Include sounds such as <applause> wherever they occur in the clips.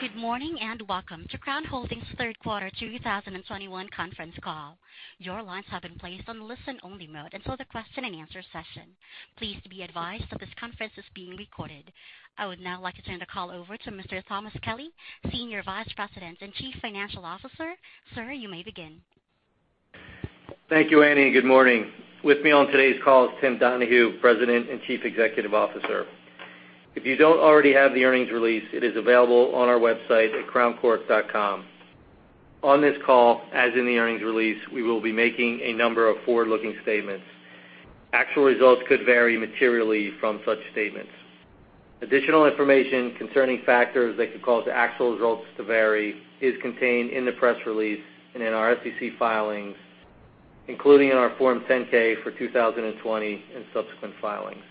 Good morning, and welcome to Crown Holdings third quarter 2021 conference call. Your lines have been placed on listen-only mode until the question-and-answer session. Please be advised that this conference is being recorded. I would now like to turn the call over to Mr. Thomas Kelly, Senior Vice President and Chief Financial Officer. Sir, you may begin. Thank you, Annie. Good morning. With me on today's call is Tim Donahue, President and Chief Executive Officer. If you don't already have the earnings release, it is available on our website at crowncork.com. On this call, as in the earnings release, we will be making a number of forward-looking statements. Actual results could vary materially from such statements. Additional information concerning factors that could cause the actual results to vary is contained in the press release and in our SEC filings, including in our Form 10-K for 2020 and subsequent filings.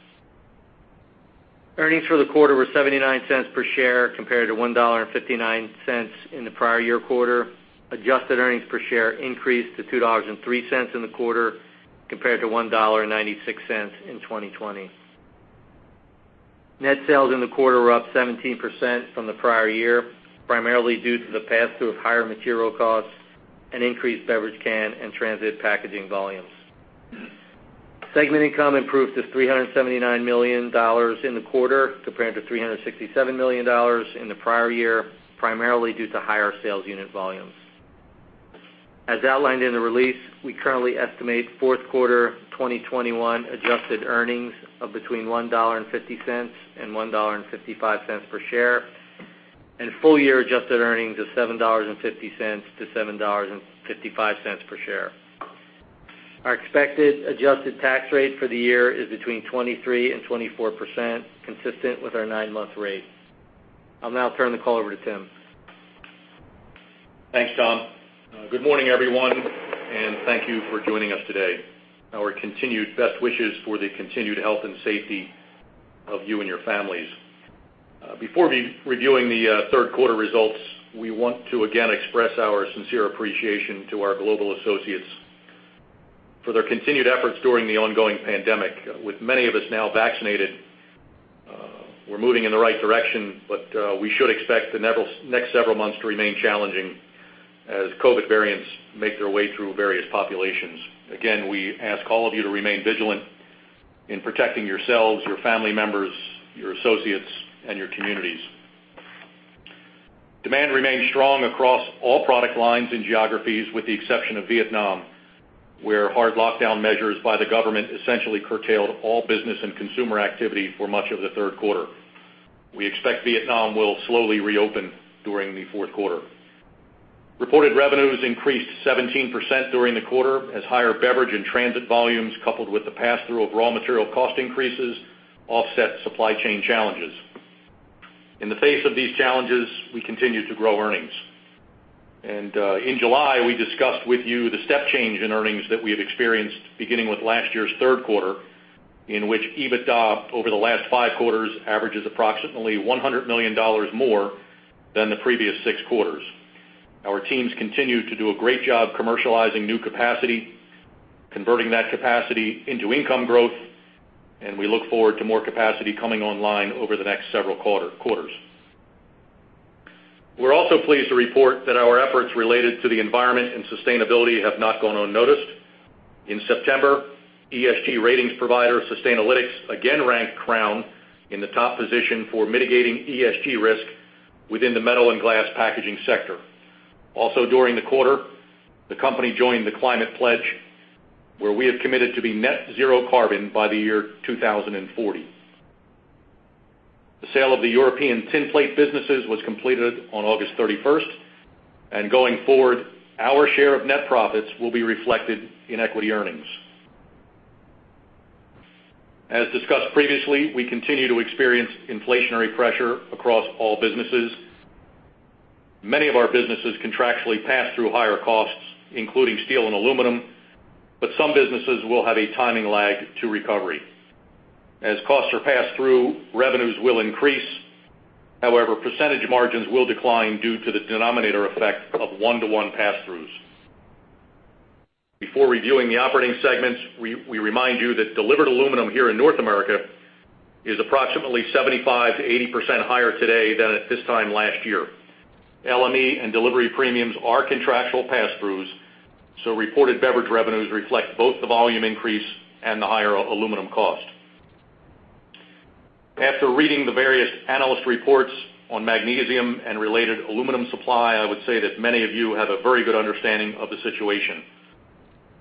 Earnings for the quarter were $0.79 per share compared to $1.59 in the prior year quarter. Adjusted earnings per share increased to $2.03 in the quarter compared to $1.96 in 2020. Net sales in the quarter were up 17% from the prior year, primarily due to the pass-through of higher material costs and increased beverage can and transit packaging volumes. Segment income improved to $379 million in the quarter compared to $367 million in the prior year, primarily due to higher sales unit volumes. As outlined in the release, we currently estimate fourth quarter 2021 adjusted earnings of between $1.50 and $1.55 per share, and full year adjusted earnings of $7.50-$7.55 per share. Our expected adjusted tax rate for the year is between 23% and 24%, consistent with our nine-month rate. I'll now turn the call over to Tim. Thanks, Tom. Good morning, everyone, and thank you for joining us today. Our continued best wishes for the continued health and safety of you and your families. Before reviewing the third quarter results, we want to again express our sincere appreciation to our global associates for their continued efforts during the ongoing pandemic. With many of us now vaccinated, we're moving in the right direction, but we should expect the next several months to remain challenging as COVID variants make their way through various populations. Again, we ask all of you to remain vigilant in protecting yourselves, your family members, your associates, and your communities. Demand remains strong across all product lines and geographies with the exception of Vietnam, where hard lockdown measures by the government essentially curtailed all business and consumer activity for much of the third quarter. We expect Vietnam will slowly reopen during the fourth quarter. Reported revenues increased 17% during the quarter as higher beverage and transit volumes, coupled with the pass-through of raw material cost increases, offset supply chain challenges. In the face of these challenges, we continue to grow earnings. In July, we discussed with you the step change in earnings that we have experienced beginning with last year's third quarter, in which EBITDA over the last five quarters averages approximately $100 million more than the previous six quarters. Our teams continue to do a great job commercializing new capacity, converting that capacity into income growth, and we look forward to more capacity coming online over the next several quarters. We're also pleased to report that our efforts related to the environment and sustainability have not gone unnoticed. In September, ESG ratings provider Sustainalytics again ranked Crown in the top position for mitigating ESG risk within the metal and glass packaging sector. Also during the quarter, the company joined The Climate Pledge, where we have committed to be net zero carbon by 2040. The sale of the European Tinplate businesses was completed on August 31, and going forward, our share of net profits will be reflected in equity earnings. As discussed previously, we continue to experience inflationary pressure across all businesses. Many of our businesses contractually pass through higher costs, including steel and aluminum, but some businesses will have a timing lag to recovery. As costs are passed through, revenues will increase. However, percentage margins will decline due to the denominator effect of one-to-one pass-throughs. Before reviewing the operating segments, we remind you that delivered aluminum here in North America is approximately 75%-80% higher today than at this time last year. LME and delivery premiums are contractual pass-throughs, so reported beverage revenues reflect both the volume increase and the higher aluminum cost. After reading the various analyst reports on magnesium and related aluminum supply, I would say that many of you have a very good understanding of the situation.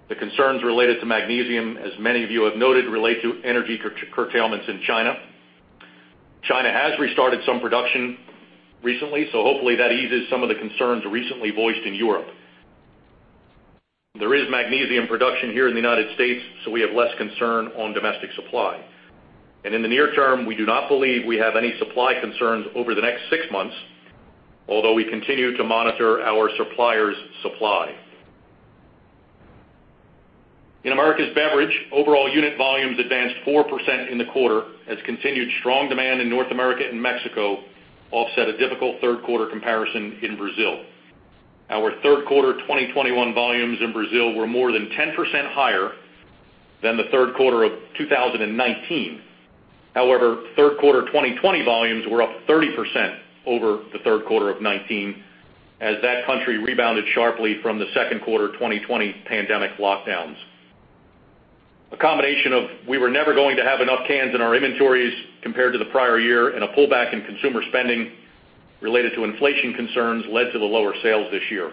The concerns related to magnesium, as many of you have noted, relate to energy curtailments in China. China has restarted some production recently, so hopefully that eases some of the concerns recently voiced in Europe. There is magnesium production here in the United States, so we have less concern on domestic supply. In the near term, we do not believe we have any supply concerns over the next six months, although we continue to monitor our suppliers' supply. In Americas Beverage, overall unit volumes advanced 4% in the quarter as continued strong demand in North America and Mexico offset a difficult third-quarter comparison in Brazil. Our third quarter 2021 volumes in Brazil were more than 10% higher than the third quarter of 2019. However, third quarter 2020 volumes were up 30% over the third quarter of 2019 as that country rebounded sharply from the second quarter 2020 pandemic lockdowns. A combination of we were never going to have enough cans in our inventories compared to the prior year and a pullback in consumer spending related to inflation concerns led to the lower sales this year.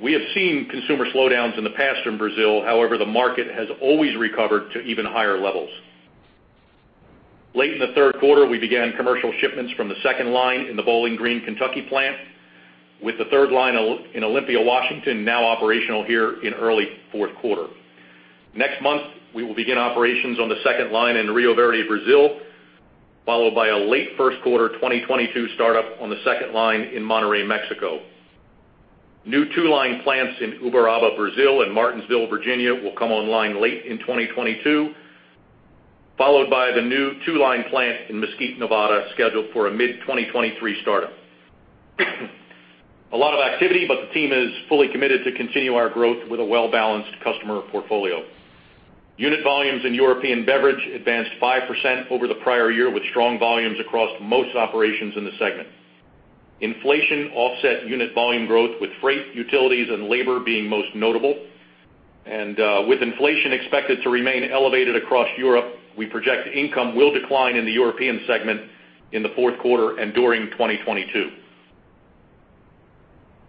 We have seen consumer slowdowns in the past in Brazil, however, the market has always recovered to even higher levels. Late in the third quarter, we began commercial shipments from the second line in the Bowling Green, Kentucky plant, with the third line in Olympia, Washington now operational here in early fourth quarter. Next month, we will begin operations on the second line in Rio Verde, Brazil, followed by a late first quarter 2022 startup on the second line in Monterrey, Mexico. New two-line plants in Uberaba, Brazil, and Martinsville, Virginia, will come online late in 2022, followed by the new two-line plant in Mesquite, Nevada, scheduled for a mid-2023 startup. A lot of activity, but the team is fully committed to continue our growth with a well-balanced customer portfolio. Unit volumes in European Beverage advanced 5% over the prior year with strong volumes across most operations in the segment. Inflation offset unit volume growth, with freight, utilities, and labor being most notable. With inflation expected to remain elevated across Europe, we project income will decline in the European segment in the fourth quarter and during 2022.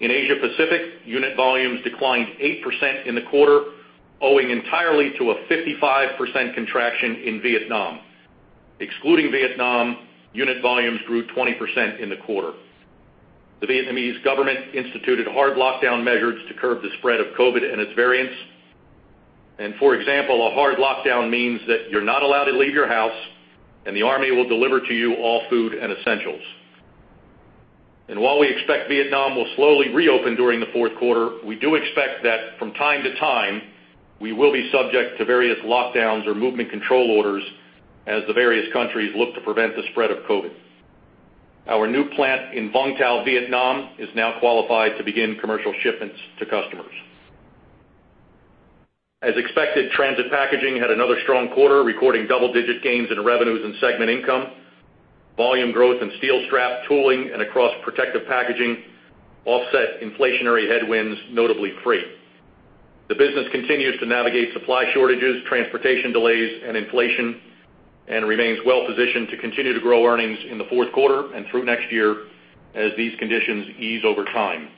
In Asia Pacific, unit volumes declined 8% in the quarter, owing entirely to a 55% contraction in Vietnam. Excluding Vietnam, unit volumes grew 20% in the quarter. The Vietnamese government instituted hard lockdown measures to curb the spread of COVID and its variants. For example, a hard lockdown means that you're not allowed to leave your house, and the army will deliver to you all food and essentials. While we expect Vietnam will slowly reopen during the fourth quarter, we do expect that from time to time, we will be subject to various lockdowns or movement control orders as the various countries look to prevent the spread of COVID. Our new plant in Vung Tau, Vietnam, is now qualified to begin commercial shipments to customers. As expected, Transit Packaging had another strong quarter, recording double-digit gains in revenues and segment income. Volume growth in steel strap tooling and across protective packaging offset inflationary headwinds, notably freight. The business continues to navigate supply shortages, transportation delays, and inflation, and remains well positioned to continue to grow earnings in the fourth quarter and through next year as these conditions ease over time.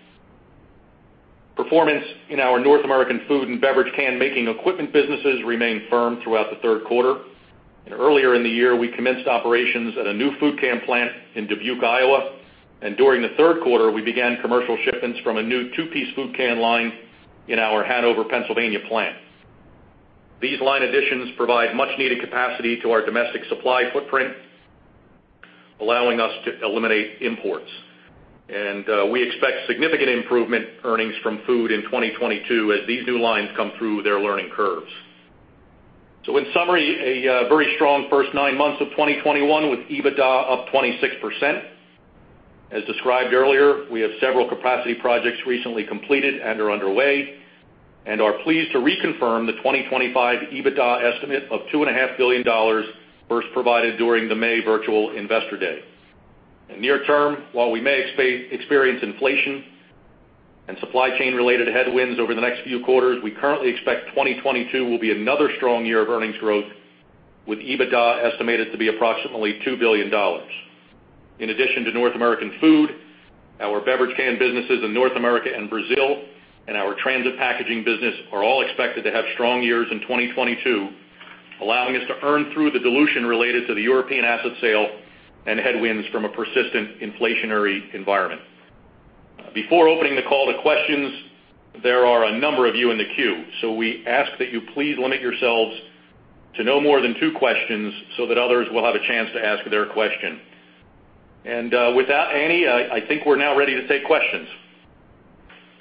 Performance in our North American food and beverage can-making equipment businesses remained firm throughout the third quarter. Earlier in the year, we commenced operations at a new food can plant in Dubuque, Iowa. During the third quarter, we began commercial shipments from a new two-piece food can line in our Hanover, Pennsylvania plant. These line additions provide much-needed capacity to our domestic supply footprint, allowing us to eliminate imports. We expect significant improvement in earnings from food in 2022 as these new lines come through their learning curves. In summary, very strong first nine months of 2021 with EBITDA up 26%. As described earlier, we have several capacity projects recently completed and are underway and are pleased to reconfirm the 2025 EBITDA estimate of $2.5 billion first provided during the May virtual Investor Day. In the near term, while we may experience inflation and supply chain-related headwinds over the next few quarters, we currently expect 2022 will be another strong year of earnings growth, with EBITDA estimated to be approximately $2 billion. In addition to North American food, our beverage can businesses in North America and Brazil, and our Transit Packaging business are all expected to have strong years in 2022, allowing us to earn through the dilution related to the European asset sale and headwinds from a persistent inflationary environment. Before opening the call to questions, there are a number of you in the queue, so we ask that you please limit yourselves to no more than two questions so that others will have a chance to ask their question. With that, Annie, I think we're now ready to take questions.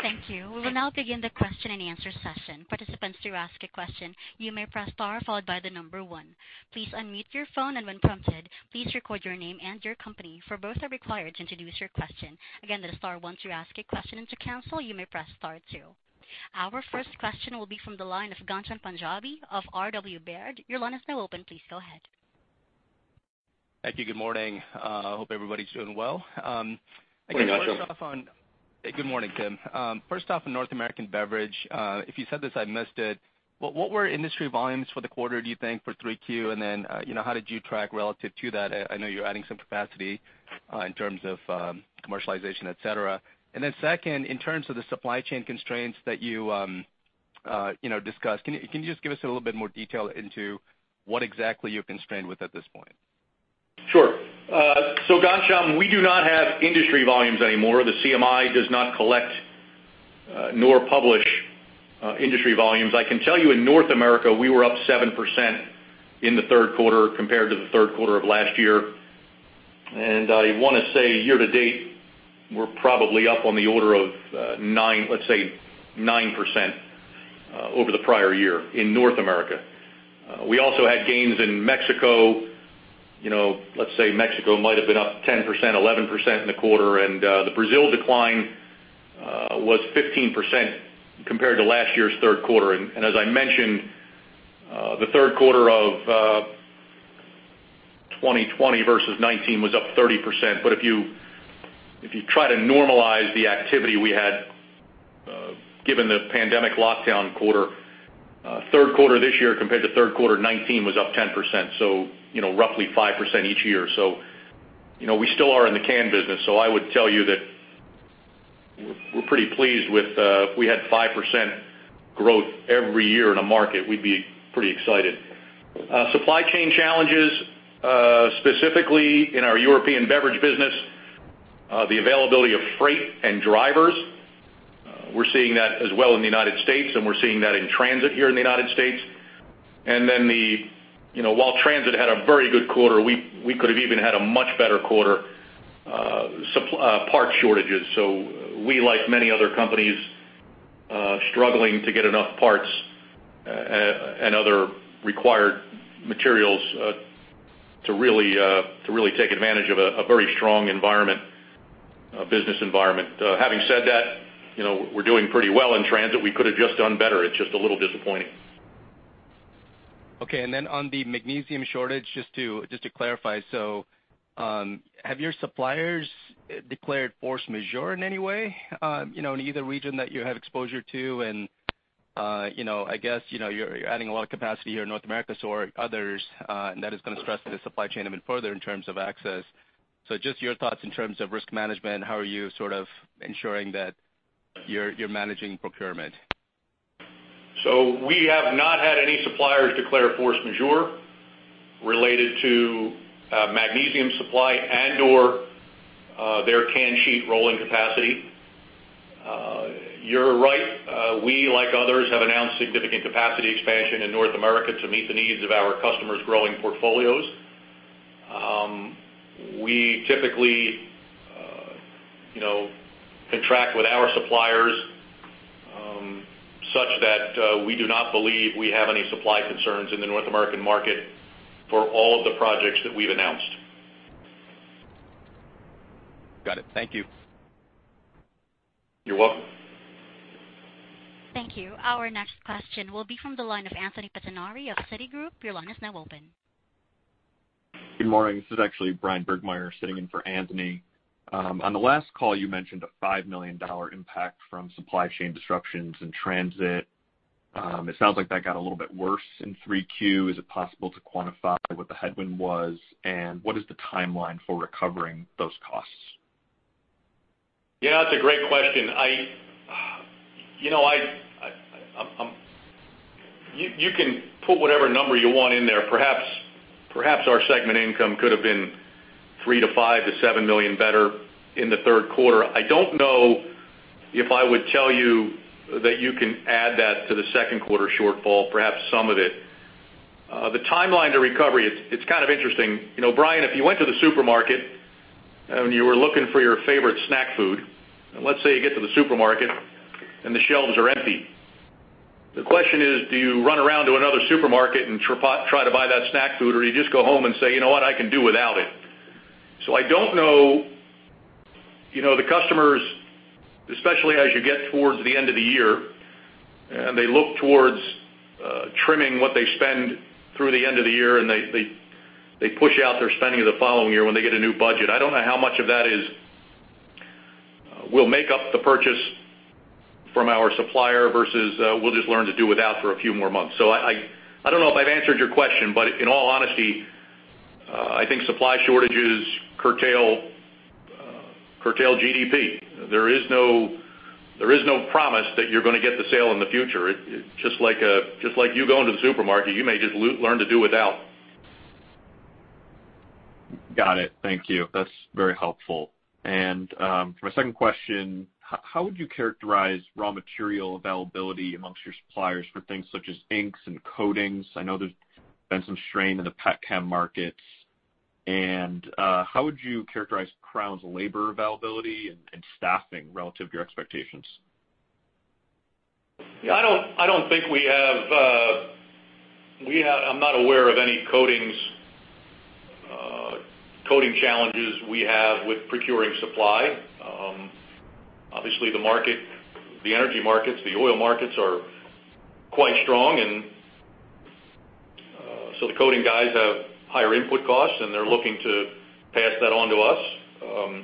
Thank you. We will now begin the question-and-answer session. Participants, to ask a question, you may press star followed by the number one. Please unmute your phone, and when prompted, please record your name and your company, for both are required to introduce your question. Again, that is star one to ask a question and to cancel, you may press star two. Our first question will be from the line of Ghansham Panjabi of Robert W. Baird. Your line is now open. Please go ahead. Thank you. Good morning. Hope everybody's doing well. I guess first off on- Good morning, Ghansham. Good morning, Tim. First off, in Americas Beverage, if you said this, I missed it, what were industry volumes for the quarter, do you think, for 3Q? And then, you know, how did you track relative to that? I know you're adding some capacity in terms of commercialization, et cetera. And then second, in terms of the supply chain constraints that you know, discussed, can you just give us a little bit more detail into what exactly you're constrained with at this point? Sure. Ghansham, we do not have industry volumes anymore. The CMI does not collect nor publish industry volumes. I can tell you in North America, we were up 7% in the third quarter compared to the third quarter of last year. I wanna say year to date, we're probably up on the order of 9% over the prior year in North America. We also had gains in Mexico. You know, let's say Mexico might have been up 10%, 11% in the quarter, and the Brazil decline was 15% compared to last year's third quarter. As I mentioned, the third quarter of 2020 versus 2019 was up 30%. If you try to normalize the activity we had, given the pandemic lockdown quarter, third quarter this year compared to third quarter 2019 was up 10%, so you know, roughly 5% each year. You know, we still are in the can business, so I would tell you that we're pretty pleased with, if we had 5% growth every year in a market, we'd be pretty excited. Supply chain challenges, specifically in our European Beverage business, the availability of freight and drivers, we're seeing that as well in the United States, and we're seeing that in Transit here in the United States. You know, while Transit had a very good quarter, we could have even had a much better quarter, parts shortages. We, like many other companies, are struggling to get enough parts and other required materials to really take advantage of a very strong business environment. Having said that, you know, we're doing pretty well in Transit. We could have just done better. It's just a little disappointing. Okay. Then on the magnesium shortage, just to clarify. Have your suppliers declared force majeure in any way, you know, in either region that you have exposure to? You know, I guess, you know, you're adding a lot of capacity here in North America, so are others, and that is gonna stress the supply chain even further in terms of access. Just your thoughts in terms of risk management, how are you sort of ensuring that you're managing procurement? We have not had any suppliers declare force majeure related to magnesium supply and/or their can sheet rolling capacity. You're right, we, like others, have announced significant capacity expansion in North America to meet the needs of our customers' growing portfolios. We typically contract with our suppliers such that we do not believe we have any supply concerns in the North American market for all of the projects that we've announced. Got it. Thank you. You're welcome. Thank you. Our next question will be from the line of Anthony Pettinari of Citigroup. Your line is now open. Good morning. This is actually Bryan Burgmeier sitting in for Anthony. On the last call, you mentioned a $5 million impact from supply chain disruptions in Transit. It sounds like that got a little bit worse in 3Q. Is it possible to quantify what the headwind was, and what is the timeline for recovering those costs? Yeah, that's a great question. You know, you can put whatever number you want in there. Perhaps our segment income could have been $3 million to $5 million to $7 million better in the third quarter. I don't know if I would tell you that you can add that to the second quarter shortfall, perhaps some of it. The timeline to recovery, it's kind of interesting. You know, Bryan, if you went to the supermarket and you were looking for your favorite snack food, and let's say you get to the supermarket and the shelves are empty, the question is, do you run around to another supermarket and try to buy that snack food, or you just go home and say, "You know what? I can do without it." I don't know, you know, the customers, especially as you get towards the end of the year and they look towards trimming what they spend through the end of the year, and they push out their spending the following year when they get a new budget. I don't know how much of that is, we'll make up the purchase from our supplier versus, we'll just learn to do without for a few more months. I don't know if I've answered your question, but in all honesty, I think supply shortages curtail GDP. There is no promise that you're gonna get the sale in the future. It just like you going to the supermarket, you may just learn to do without. Got it. Thank you. That's very helpful. For my second question, how would you characterize raw material availability amongst your suppliers for things such as inks and coatings? I know there's been some strain in the PET chem markets. How would you characterize Crown's labor availability and staffing relative to your expectations? I don't think we have. I'm not aware of any coatings, coating challenges we have with procuring supply. Obviously the market, the energy markets, the oil markets are quite strong and so the coating guys have higher input costs, and they're looking to pass that on to us.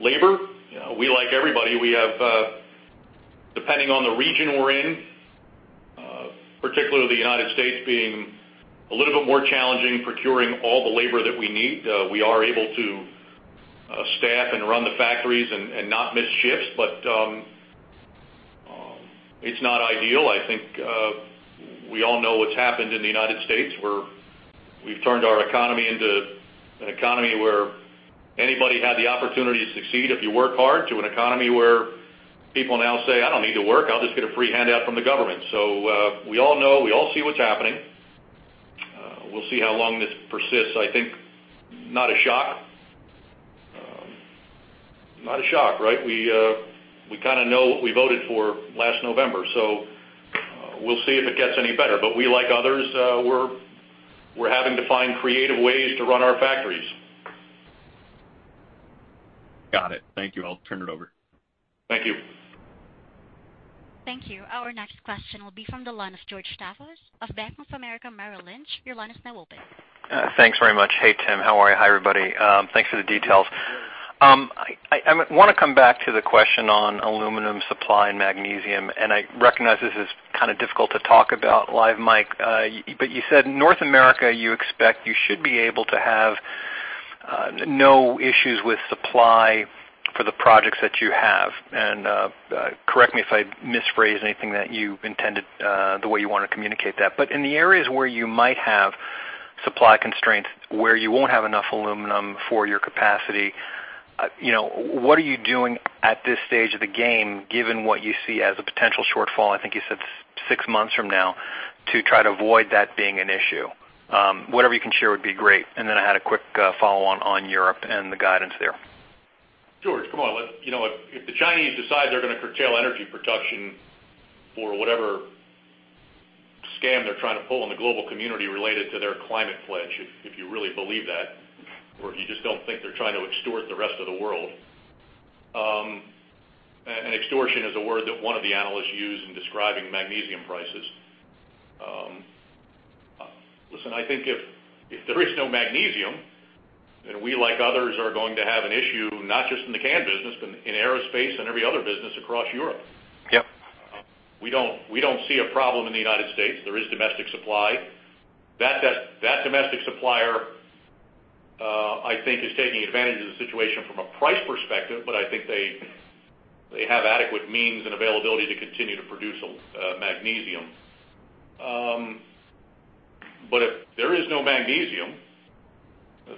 Labor, you know, we like everybody. We have, depending on the region we're in, particularly the United States being a little bit more challenging procuring all the labor that we need, we are able to staff and run the factories and not miss shifts. It's not ideal. I think we all know what's happened in the United States, where we've turned our economy into an economy where anybody had the opportunity to succeed if you work hard to an economy where people now say, "I don't need to work. I'll just get a free handout from the government." We all know, we all see what's happening. We'll see how long this persists. I think not a shock, right? We kinda know what we voted for last November, so we'll see if it gets any better. We, like others, we're having to find creative ways to run our factories. Got it. Thank you. I'll turn it over. Thank you. Thank you. Our next question will be from the line of George Staphos of Bank of America, Merrill Lynch. Your line is now open. Thanks very much. Hey, Tim. How are you? Hi, everybody. Thanks for the details. I wanna come back to the question on aluminum supply and magnesium, and I recognize this is kinda difficult to talk about live mic. You said North America, you expect you should be able to have no issues with supply for the projects that you have. Correct me if I misphrase anything that you intended, the way you wanna communicate that. In the areas where you might have supply constraints, where you won't have enough aluminum for your capacity, you know, what are you doing at this stage of the game, given what you see as a potential shortfall, I think you said six months from now, to try to avoid that being an issue? Whatever you can share would be great. I had a quick follow-on on Europe and the guidance there. George, come on. You know, if the Chinese decide they're gonna curtail energy production for whatever scam they're trying to pull in the global community related to their Climate Pledge, if you really believe that, or if you just don't think they're trying to extort the rest of the world, and extortion is a word that one of the analysts used in describing magnesium prices. Listen, I think if there is no magnesium, then we, like others, are going to have an issue, not just in the can business, but in aerospace and every other business across Europe. Yep. We don't see a problem in the United States. There is domestic supply. That domestic supplier, I think is taking advantage of the situation from a price perspective, but I think they have adequate means and availability to continue to produce magnesium. But if there is no magnesium,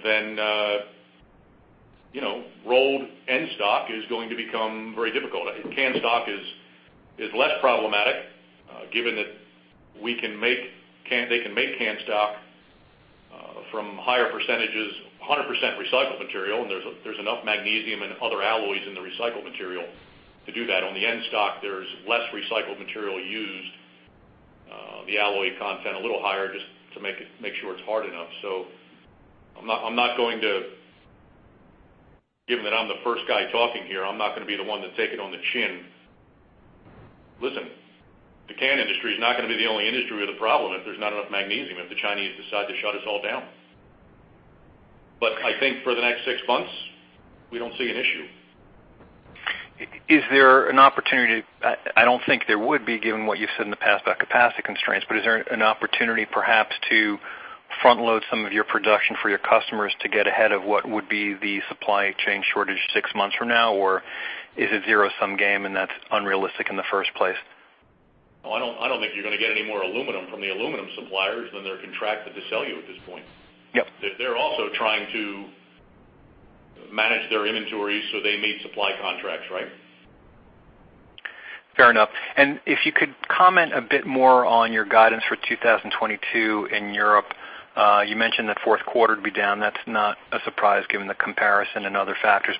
then, you know, rolled end stock is going to become very difficult. Can stock is less problematic, given that they can make can stock from higher percentages, 100% recycled material, and there's enough magnesium and other alloys in the recycled material to do that. On the end stock, there's less recycled material used. The alloy content a little higher just to make sure it's hard enough. Given that I'm the first guy talking here, I'm not gonna be the one to take it on the chin. Listen, the can industry is not gonna be the only industry with a problem if there's not enough magnesium, if the Chinese decide to shut us all down. I think for the next six months, we don't see an issue. I don't think there would be, given what you've said in the past about capacity constraints, but is there an opportunity perhaps to front-load some of your production for your customers to get ahead of what would be the supply chain shortage six months from now? Or is it a zero-sum game and that's unrealistic in the first place? I don't think you're gonna get any more aluminum from the aluminum suppliers than they're contracted to sell you at this point. Yep. They're also trying to manage their inventory so they meet supply contracts, right? Fair enough. If you could comment a bit more on your guidance for 2022 in Europe. You mentioned that fourth quarter would be down. That's not a surprise given the comparison and other factors.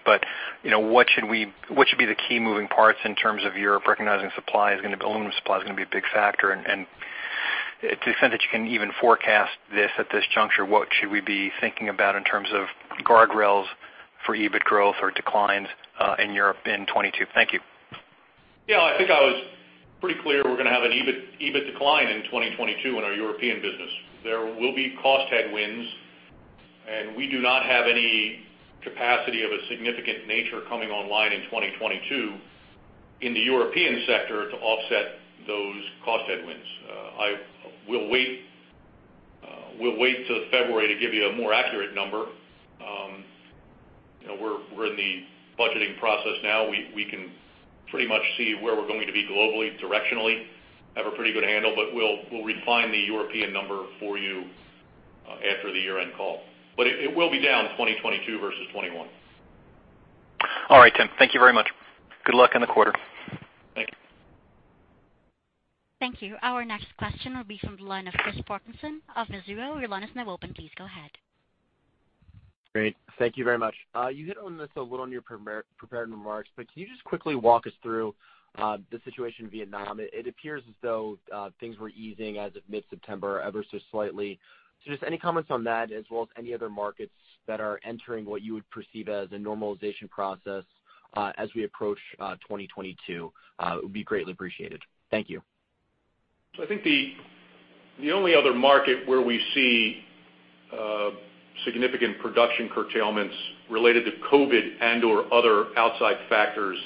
You know, what should be the key moving parts in terms of Europe recognizing aluminum supply is gonna be a big factor. To the extent that you can even forecast this at this juncture, what should we be thinking about in terms of guardrails for EBIT growth or declines in Europe in 2022? Thank you. Yeah. I think I was pretty clear we're gonna have an EBIT decline in 2022 in our European business. There will be cost headwinds, and we do not have any capacity of a significant nature coming online in 2022 in the European sector to offset those cost headwinds. We'll wait till February to give you a more accurate number. You know, we're in the budgeting process now. We can pretty much see where we're going to be globally, directionally, have a pretty good handle, but we'll refine the European number for you after the year-end call. It will be down 2022 versus 2021. All right, Tim. Thank you very much. Good luck in the quarter. Thank you. Thank you. Our next question will be from the line of Chris Parkinson of Mizuho. Your line is now open. Please go ahead. Great. Thank you very much. You hit on this a little in your prepared remarks, but can you just quickly walk us through the situation in Vietnam? It appears as though things were easing as of mid-September ever so slightly. Just any comments on that, as well as any other markets that are entering what you would perceive as a normalization process as we approach 2022 would be greatly appreciated. Thank you. I think the only other market where we see significant production curtailments related to COVID and/or other outside factors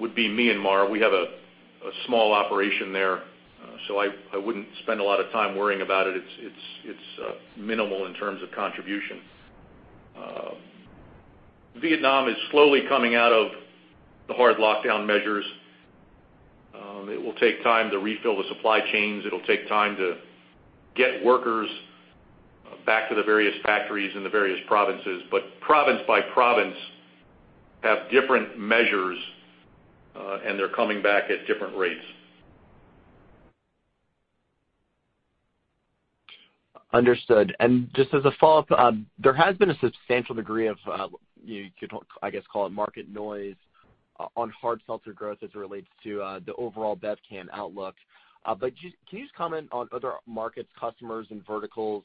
would be Myanmar. We have a small operation there. So I wouldn't spend a lot of time worrying about it. It's minimal in terms of contribution. Vietnam is slowly coming out of the hard lockdown measures. It will take time to refill the supply chains. It'll take time to get workers back to the various factories in the various provinces. Province by province have different measures, and they're coming back at different rates. Understood. Just as a follow-up, there has been a substantial degree of, you could, I guess, call it market noise, on hard seltzer growth as it relates to, the overall bev can outlook. But can you just comment on other markets, customers and verticals,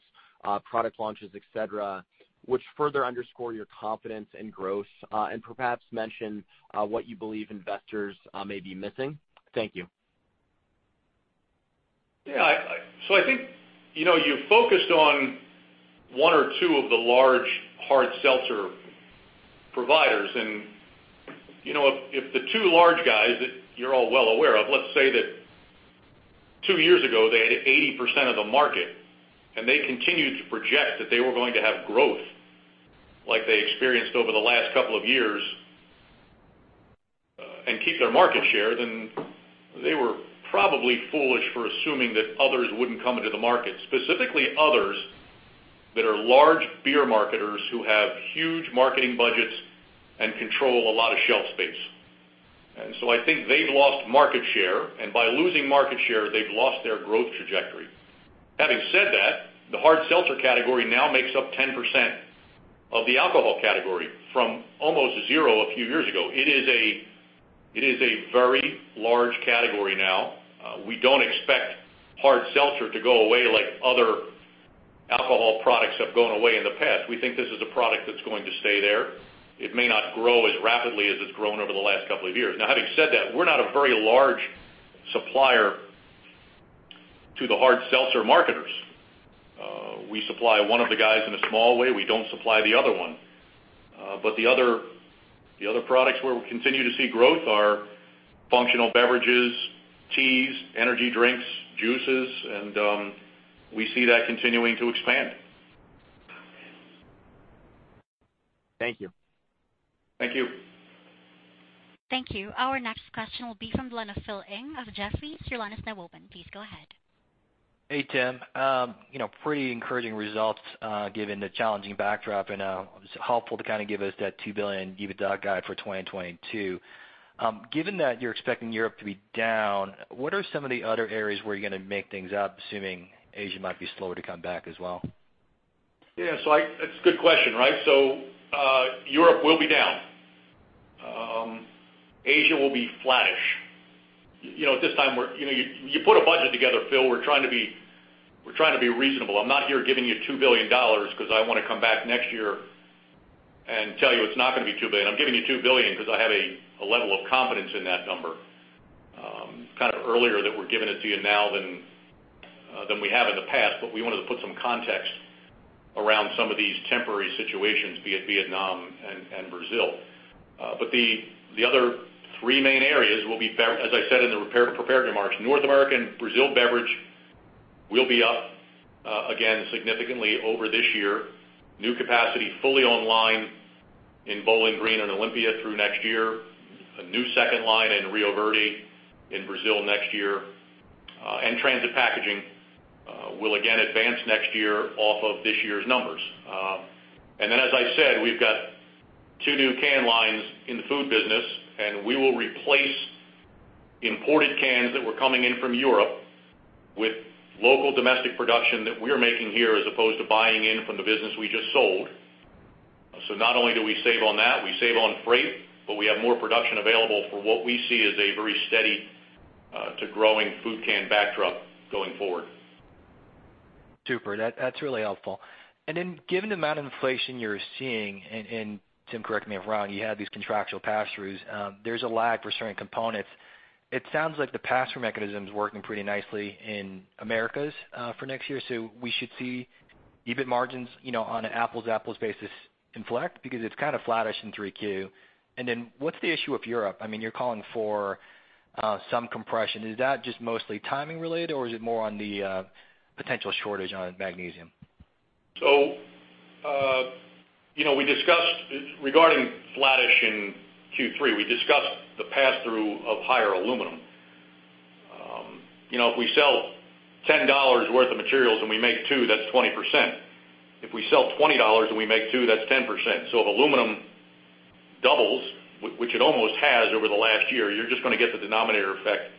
product launches, et cetera, which further underscore your confidence in growth, and perhaps mention, what you believe investors, may be missing? Thank you. Yeah, I think, you know, you focused on one or two of the large hard seltzer providers. You know, if the two large guys that you're all well aware of, let's say that two years ago, they had 80% of the market, and they continued to project that they were going to have growth like they experienced over the last couple of years, and keep their market share, then they were probably foolish for assuming that others wouldn't come into the market, specifically others that are large beer marketers who have huge marketing budgets and control a lot of shelf space. I think they've lost market share, and by losing market share, they've lost their growth trajectory. Having said that, the hard seltzer category now makes up 10% of the alcohol category from almost zero a few years ago. It is a very large category now. We don't expect hard seltzer to go away like other alcohol products have gone away in the past. We think this is a product that's going to stay there. It may not grow as rapidly as it's grown over the last couple of years. Now, having said that, we're not a very large supplier to the hard seltzer marketers. We supply one of the guys in a small way. We don't supply the other one. But the other products where we continue to see growth are functional beverages, teas, energy drinks, juices, and we see that continuing to expand. Thank you. Thank you. Thank you. Our next question will be from the line of Philip Ng of Jefferies. Your line is now open. Please go ahead. Hey, Tim. You know, pretty encouraging results given the challenging backdrop, and it's helpful to kinda give us that $2 billion EBITDA guide for 2022. Given that you're expecting Europe to be down, what are some of the other areas where you're gonna make things up, assuming Asia might be slower to come back as well? Yeah. That's a good question, right? Europe will be down. Asia will be flattish. You know, at this time you know, you put a budget together, Phil. We're trying to be reasonable. I'm not here giving you $2 billion 'cause I wanna come back next year and tell you it's not gonna be $2 billion. I'm giving you $2 billion 'cause I have a level of confidence in that number kind of earlier that we're giving it to you now than we have in the past. But we wanted to put some context around some of these temporary situations, be it Vietnam and Brazil. The other three main areas will be beverage—as I said in the prepared remarks, North American, Brazil beverage will be up again significantly over this year. New capacity fully online in Bowling Green and Olympia through next year. A new second line in Rio Verde in Brazil next year. Transit Packaging will again advance next year off of this year's numbers. We've got two new can lines in the food business, and we will replace imported cans that were coming in from Europe with local domestic production that we're making here as opposed to buying in from the business we just sold. Not only do we save on that, we save on freight, but we have more production available for what we see as a very steady to growing food can backdrop going forward. Super. That's really helpful. Given the amount of inflation you're seeing, and Tim, correct me if I'm wrong, you had these contractual pass-throughs. There's a lag for certain components. It sounds like the pass-through mechanism is working pretty nicely in Americas for next year. We should see EBIT margins, you know, on an apples-to-apples basis inflect because it's kind of flattish in 3Q. What's the issue with Europe? I mean, you're calling for some compression. Is that just mostly timing related, or is it more on the potential shortage on magnesium? You know, we discussed regarding flattish in Q3, we discussed the pass-through of higher aluminum. You know, if we sell $10 worth of materials and we make $2, that's 20%. If we sell $20 and we make $2, that's 10%. If aluminum doubles, which it almost has over the last year, you're just gonna get the denominator effect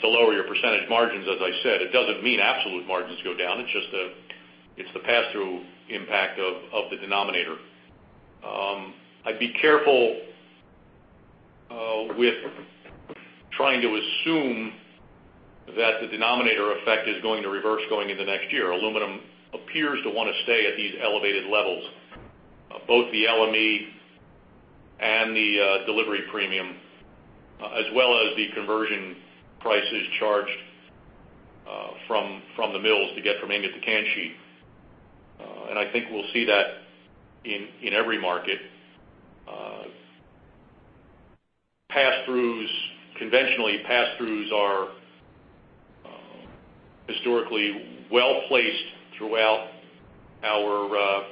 to lower your percentage margins as I said. It doesn't mean absolute margins go down. It's just the pass-through impact of the denominator. I'd be careful with trying to assume that the denominator effect is going to reverse going into next year. Aluminum appears to wanna stay at these elevated levels, both the LME and the delivery premium, as well as the conversion prices charged from the mills to get from ingot to can sheet. I think we'll see that in every market. Pass-throughs conventionally are historically well-placed throughout our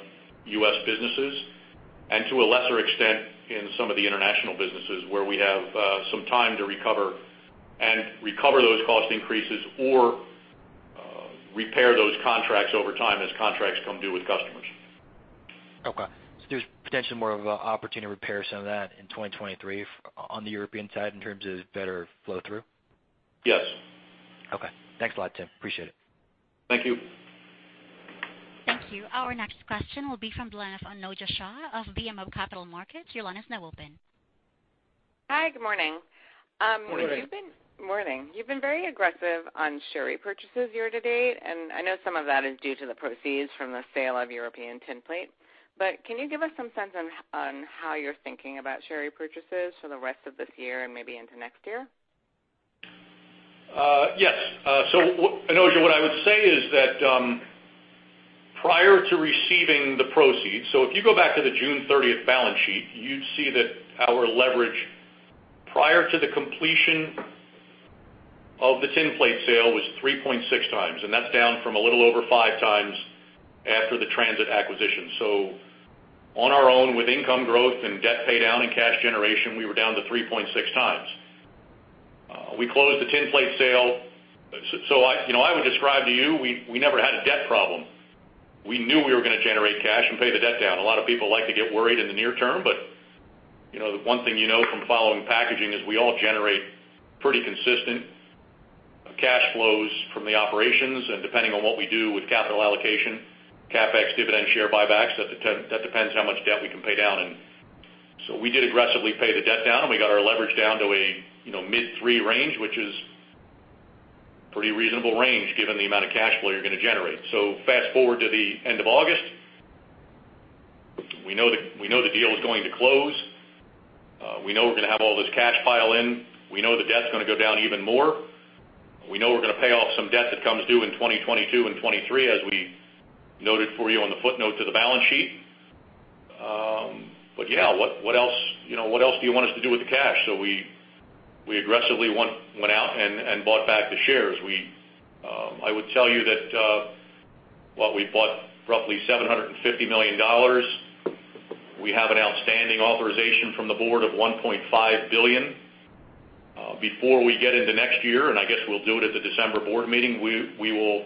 U.S. businesses and to a lesser extent in some of the international businesses where we have some time to recover those cost increases or repair those contracts over time as contracts come due with customers. There's potentially more of an opportunity to repair some of that in 2023 on the European side in terms of better flow through? Yes. Okay. Thanks a lot, Tim. Appreciate it. Thank you. Thank you. Our next question will be from Ghansham Panjabi of Robert W. Baird. Your line is now open. Hi, good morning. Morning. You've been very aggressive on share repurchases year to date, and I know some of that is due to the proceeds from the sale of European Tinplate. Can you give us some sense on how you're thinking about share repurchases for the rest of this year and maybe into next year? Yes. Ghansham, what I would say is that, prior to receiving the proceeds, so if you go back to the June 30 balance sheet, you'd see that our leverage prior to the completion of the tinplate sale was 3.6x, and that's down from a little over 5x after the Transit acquisition. On our own, with income growth and debt pay down and cash generation, we were down to 3.6x. We closed the tinplate sale. I, you know, I would describe to you, we never had a debt problem. We knew we were gonna generate cash and pay the debt down. A lot of people like to get worried in the near term, but, you know, the one thing you know from following packaging is we all generate pretty consistent cash flows from the operations. Depending on what we do with capital allocation, CapEx, dividend share buybacks, that depends how much debt we can pay down. We did aggressively pay the debt down, and we got our leverage down to a, you know, mid-three range, which is pretty reasonable range given the amount of cash flow you're gonna generate. Fast-forward to the end of August. We know the deal is going to close. We know we're gonna have all this cash flow in. We know the debt's gonna go down even more. We know we're gonna pay off some debt that comes due in 2022 and 2023, as we noted for you on the footnote to the balance sheet. Yeah, what else, you know, what else do you want us to do with the cash? We aggressively went out and bought back the shares. I would tell you that what we bought roughly $750 million. We have an outstanding authorization from the board of $1.5 billion. Before we get into next year, and I guess we'll do it at the December board meeting, we will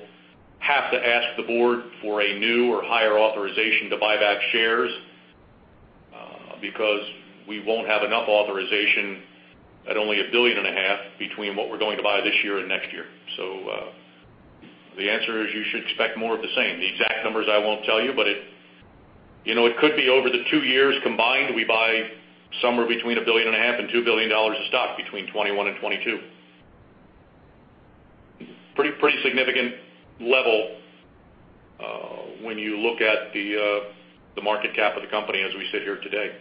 have to ask the board for a new or higher authorization to buy back shares, because we won't have enough authorization at only $1.5 billion between what we're going to buy this year and next year. The answer is you should expect more of the same. The exact numbers I won't tell you, but it, you know, it could be over the two years combined, we buy somewhere between $1.5 billion and $2 billion of stock between 2021 and 2022. Pretty significant level, when you look at the market cap of the company as we sit here today.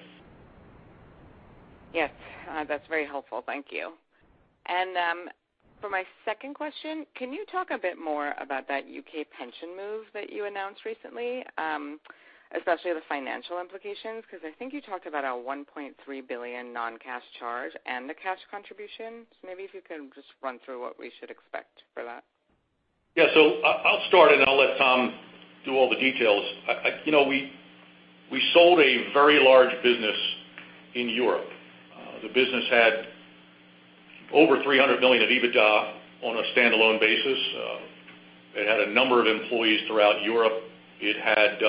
Yes. That's very helpful. Thank you. For my second question, can you talk a bit more about that U.K. pension move that you announced recently, especially the financial implications? 'Cause I think you talked about a $1.3 billion non-cash charge and the cash contribution. Maybe if you could just run through what we should expect for that. Yeah. I'll start, and I'll let Tom do all the details. I you know, we sold a very large business in Europe. The business had over $300 million of EBITDA on a standalone basis. It had a number of employees throughout Europe. It had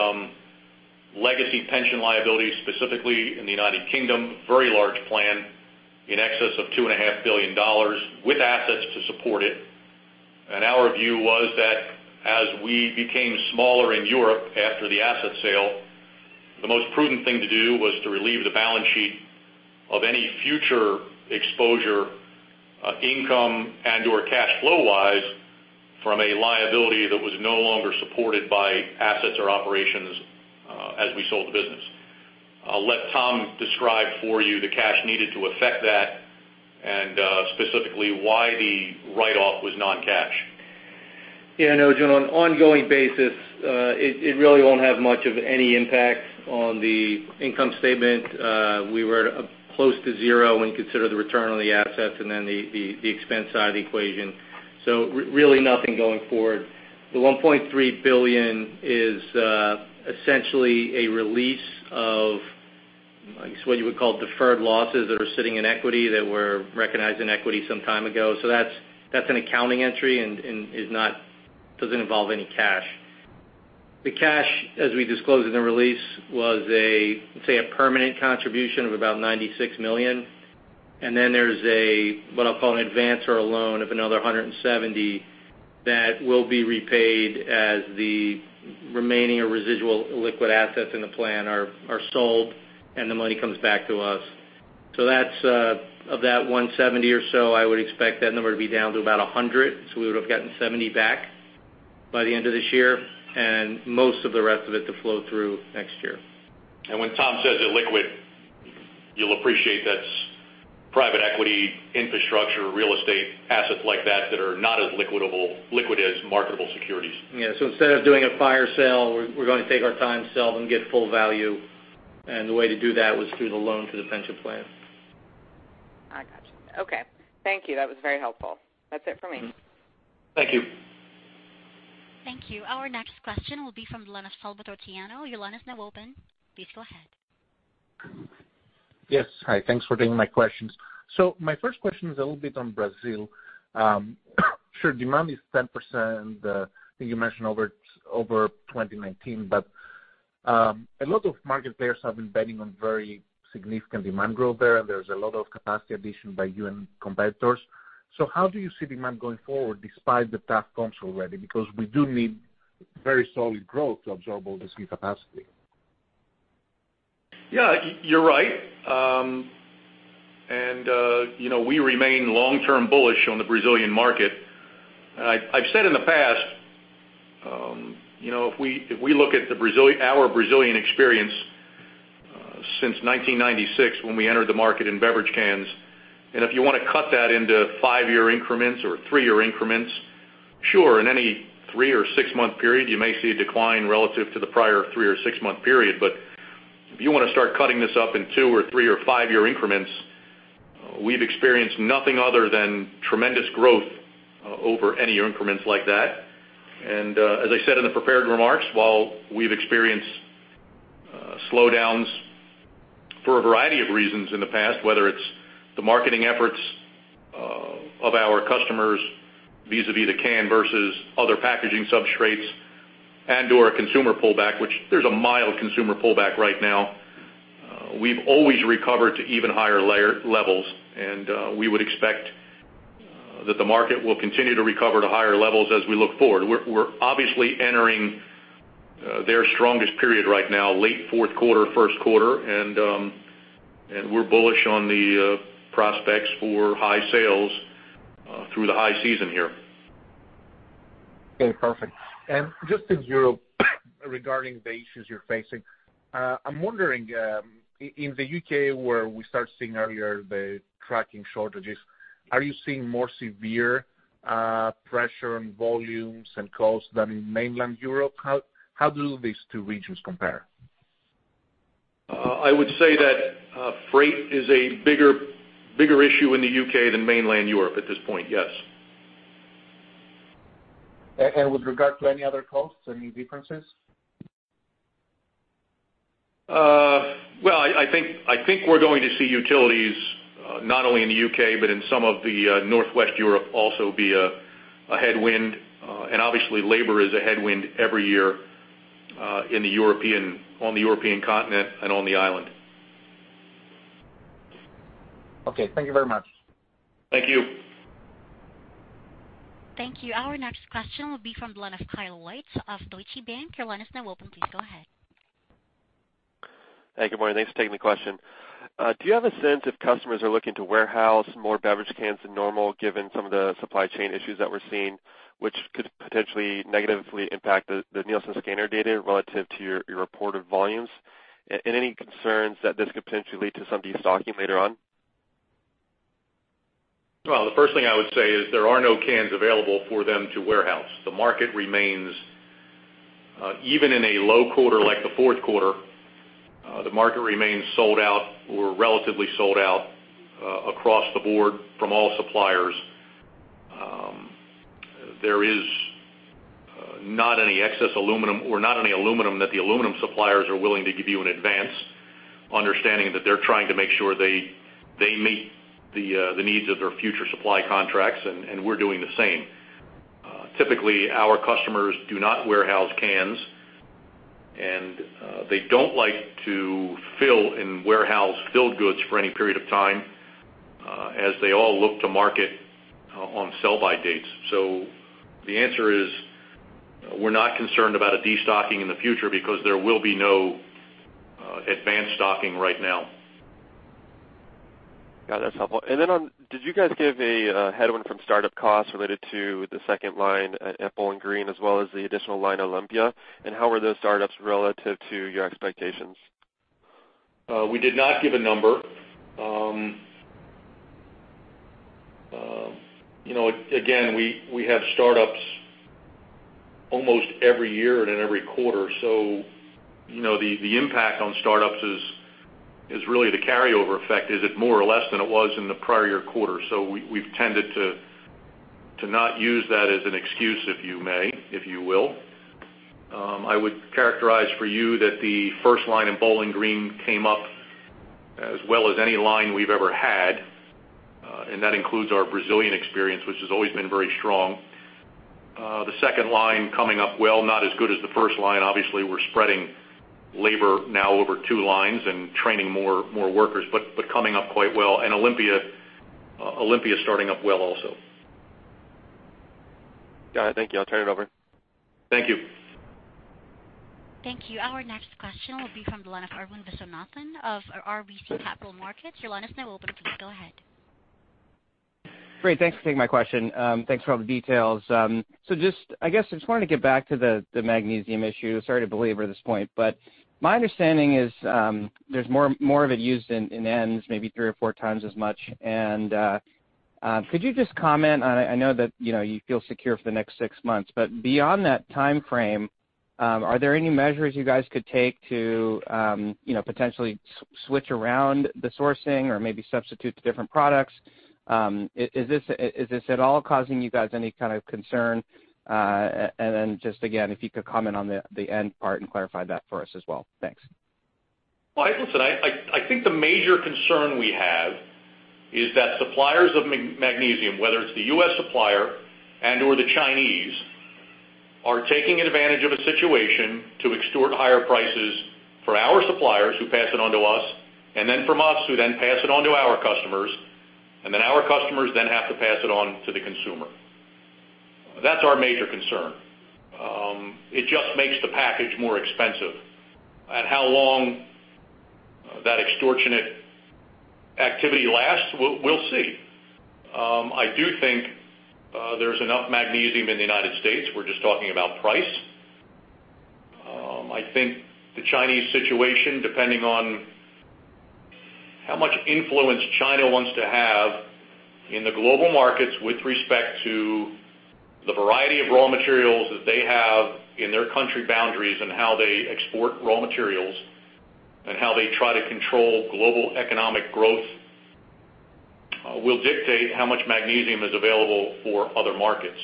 legacy pension liabilities, specifically in the U.K., very large plan, in excess of $2.5 billion, with assets to support it. Our view was that as we became smaller in Europe after the asset sale, the most prudent thing to do was to relieve the balance sheet of any future exposure, income and/or cash flow-wise from a liability that was no longer supported by assets or operations, as we sold the business. I'll let Tom describe for you the cash needed to effect that and, specifically why the write-off was non-cash. Yeah, Ghansham, on an ongoing basis, it really won't have much of any impact on the income statement. We were close to zero when you consider the return on the assets and then the expense side of the equation. Really nothing going forward. The $1.3 billion is essentially a release of, I guess, what you would call deferred losses that are sitting in equity, that were recognized in equity some time ago. That's an accounting entry and is not, doesn't involve any cash. The cash, as we disclosed in the release, was a permanent contribution of about $96 million. There's a, what I'll call an advance or a loan of another $170 that will be repaid as the remaining or residual liquid assets in the plan are sold and the money comes back to us. That's of that $170 or so, I would expect that number to be down to about $100, so we would have gotten $70 back by the end of this year, and most of the rest of it to flow through next year. When Tom says they're liquid, you'll appreciate that's private equity, infrastructure, real estate, assets like that that are not as liquid as marketable securities. Yeah. Instead of doing a fire sale, we're gonna take our time, sell them, get full value, and the way to do that was through the loan to the pension plan. I gotcha. Okay. Thank you. That was very helpful. That's it for me. Thank you. Thank you. Our next question will be from George Staphos. Your line is now open. Please go ahead. Yes. Hi. Thanks for taking my questions. My first question is a little bit on Brazil. Sure, demand is 10%, I think you mentioned over 2019, but a lot of market players have been betting on very significant demand growth there, and there's a lot of capacity addition by you and competitors. How do you see demand going forward despite the tough comps already? Because we do need very solid growth to absorb all this new capacity. Yeah, you're right. You know, we remain long-term bullish on the Brazilian market. I've said in the past, you know, if we look at our Brazilian experience since 1996 when we entered the market in beverage cans, and if you wanna cut that into five-year increments or three-year increments, sure, in any three- or six-month period, you may see a decline relative to the prior three- or six-month period. If you wanna start cutting this up in two- or three- or five-year increments, we've experienced nothing other than tremendous growth over any increments like that. As I said in the prepared remarks, while we've experienced slowdowns for a variety of reasons in the past, whether it's the marketing efforts of our customers vis-a-vis the can versus other packaging substrates and/or a consumer pullback, which there's a mild consumer pullback right now, we've always recovered to even higher levels, and we would expect that the market will continue to recover to higher levels as we look forward. We're obviously entering their strongest period right now, late fourth quarter, first quarter, and we're bullish on the prospects for high sales through the high season here. Okay, perfect. Just in Europe, regarding the issues you're facing, I'm wondering, in the U.K., where we start seeing earlier the trucking shortages, are you seeing more severe pressure on volumes and costs than in mainland Europe? How do these two regions compare? I would say that freight is a bigger issue in the U.K. than mainland Europe at this point, yes. With regard to any other costs, any differences? Well, I think we're going to see utilities not only in the U.K., but in some of the northwest Europe also be a headwind. Obviously, labor is a headwind every year in Europe, on the European continent and on the island. Okay. Thank you very much. Thank you. Thank you. Our next question will be from the line of Kyle White of Deutsche Bank. Your line is now open. Please go ahead. Hey, good morning. Thanks for taking the question. Do you have a sense if customers are looking to warehouse more beverage cans than normal given some of the supply chain issues that we're seeing, which could potentially negatively impact the Nielsen Scanner Data relative to your reported volumes? Any concerns that this could potentially lead to some destocking later on? Well, the first thing I would say is there are no cans available for them to warehouse. The market remains even in a low quarter like the fourth quarter, the market remains sold out or relatively sold out across the board from all suppliers. There is not any excess aluminum or not any aluminum that the aluminum suppliers are willing to give you in advance, understanding that they're trying to make sure they meet the needs of their future supply contracts, and we're doing the same. Typically, our customers do not warehouse cans, and they don't like to fill and warehouse filled goods for any period of time, as they all look to market on sell by dates. The answer is we're not concerned about a destocking in the future because there will be no advanced stocking right now. Yeah, that's helpful. Did you guys give a headwind from startup costs related to the second line at Bowling Green as well as the additional line Olympia? How were those startups relative to your expectations? We did not give a number. You know, again, we have startups almost every year and in every quarter. So, you know, the impact on startups is really the carryover effect. Is it more or less than it was in the prior year quarter? So we've tended to not use that as an excuse, if you may, if you will. I would characterize for you that the first line in Bowling Green came up as well as any line we've ever had, and that includes our Brazilian experience, which has always been very strong. The second line coming up well, not as good as the first line. Obviously, we're spreading labor now over two lines and training more workers, but coming up quite well. Olympia is starting up well also. Got it. Thank you. I'll turn it over. Thank you. Thank you. Our next question will be from the line of Arun Viswanathan of RBC Capital Markets. Your line is now open. Please go ahead. Great. Thanks for taking my question. Thanks for all the details. So just, I guess, I just wanted to get back to the magnesium issue. Sorry to belabor this point, but my understanding is there's more of it used in ends, maybe three or four times as much. Could you just comment on it? I know that you know you feel secure for the next six months, but beyond that timeframe, are there any measures you guys could take to potentially switch around the sourcing or maybe substitute to different products? Is this at all causing you guys any kind of concern? And then just again, if you could comment on the end part and clarify that for us as well. Thanks. Well, listen, I think the major concern we have is that suppliers of magnesium, whether it's the U.S. supplier and or the Chinese, are taking advantage of a situation to extort higher prices from our suppliers who pass it on to us, and then we pass it on to our customers, and then our customers have to pass it on to the consumer. That's our major concern. It just makes the package more expensive. How long that extortionate activity lasts, we'll see. I do think there's enough magnesium in the United States. We're just talking about price. I think the Chinese situation, depending on how much influence China wants to have in the global markets with respect to the variety of raw materials that they have in their country boundaries and how they export raw materials and how they try to control global economic growth, will dictate how much magnesium is available for other markets.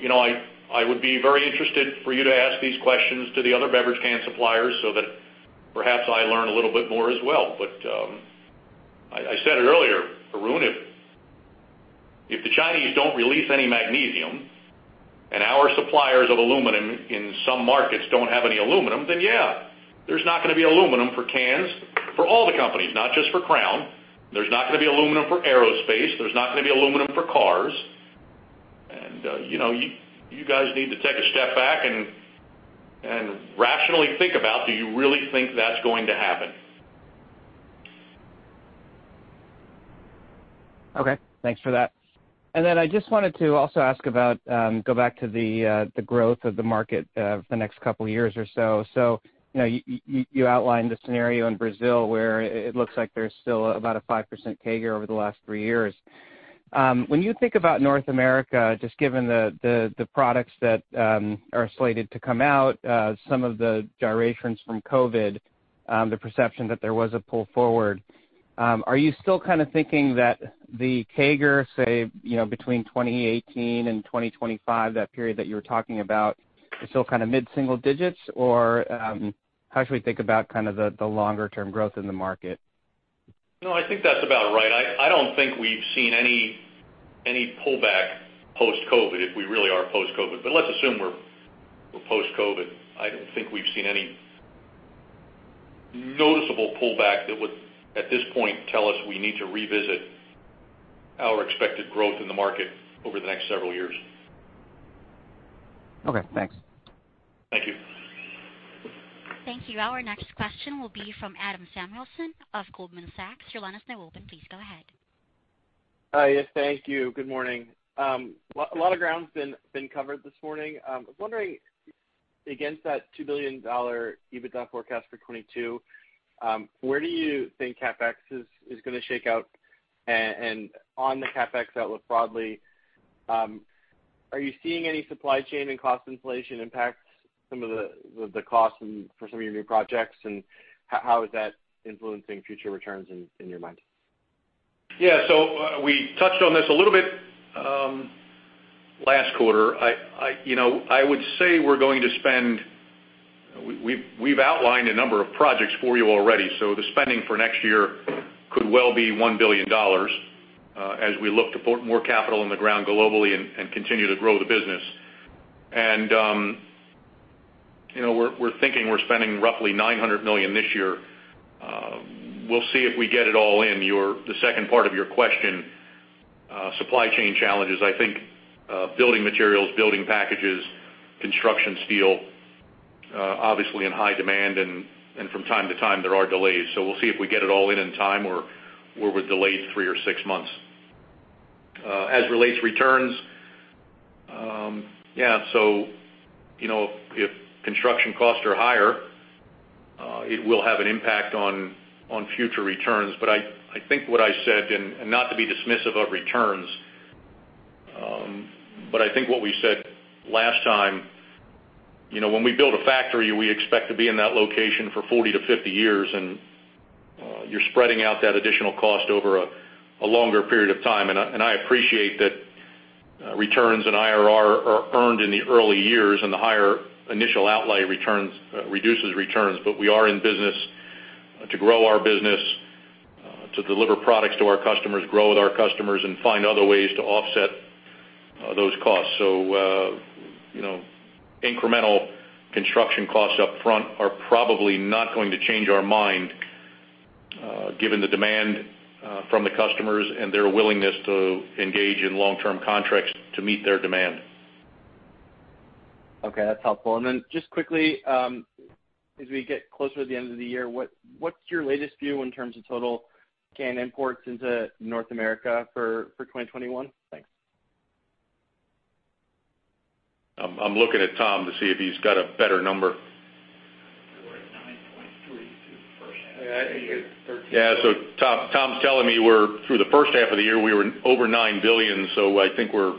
You know, I would be very interested for you to ask these questions to the other beverage can suppliers so that perhaps I learn a little bit more as well. I said it earlier, Arun, if the Chinese don't release any magnesium and our suppliers of aluminum in some markets don't have any aluminum, then yeah, there's not gonna be aluminum for cans for all the companies, not just for Crown. There's not gonna be aluminum for aerospace. There's not gonna be aluminum for cars. You know, you guys need to take a step back and rationally think about, do you really think that's going to happen? Okay. Thanks for that. I just wanted to also go back to the growth of the market the next couple years or so. You know, you outlined the scenario in Brazil where it looks like there's still about a 5% CAGR over the last three years. When you think about North America, just given the products that are slated to come out, some of the gyrations from COVID, the perception that there was a pull forward, are you still kind of thinking that the CAGR, say, you know, between 2018 and 2025, that period that you were talking about is still kind of mid-single digits? Or how should we think about kind of the longer term growth in the market? No, I think that's about right. I don't think we've seen any pullback post-COVID, if we really are post-COVID. Let's assume we're post-COVID. I don't think we've seen any noticeable pullback that would, at this point, tell us we need to revisit our expected growth in the market over the next several years. Okay, thanks. Thank you. Thank you. Our next question will be from Adam Samuelson of Goldman Sachs. Your line is now open. Please go ahead. Hi. Yes, thank you. Good morning. A lot of ground's been covered this morning. Was wondering, against that $2 billion EBITDA forecast for 2022, where do you think CapEx is gonna shake out? On the CapEx outlook broadly, are you seeing any supply chain and cost inflation impact some of the costs for some of your new projects, and how is that influencing future returns in your mind? Yeah. We touched on this a little bit last quarter. You know, I would say we're going to spend. We've outlined a number of projects for you already. The spending for next year could well be $1 billion as we look to put more capital in the ground globally and continue to grow the business. You know, we're thinking we're spending roughly $900 million this year. We'll see if we get it all in. The second part of your question, supply chain challenges. I think building materials, packaging, construction steel obviously in high demand, and from time to time, there are delays. We'll see if we get it all in in time or we're delayed three or six months. As it relates to returns, you know, if construction costs are higher, it will have an impact on future returns. I think what I said, and not to be dismissive of returns, but I think what we said last time, you know, when we build a factory, we expect to be in that location for 40-50 years, and you're spreading out that additional cost over a longer period of time. I appreciate that returns and IRR are earned in the early years, and the higher initial outlay reduces returns. We are in business to grow our business, to deliver products to our customers, grow with our customers, and find other ways to offset those costs. You know, incremental construction costs up front are probably not going to change our mind, given the demand from the customers and their willingness to engage in long-term contracts to meet their demand. Okay, that's helpful. Just quickly, as we get closer to the end of the year, what's your latest view in terms of total can imports into North America for 2021? Thanks. I'm looking at Tom to see if he's got a better number. <audio distortion> Yeah. Tom's telling me we're through the first half of the year, we were over $9 billion. I think we're